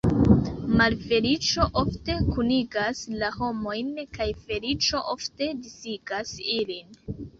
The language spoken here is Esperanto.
Malfeliĉo ofte kunigas la homojn, kaj feliĉo ofte disigas ilin.